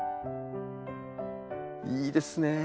いいですね。